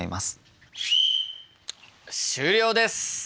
終了です！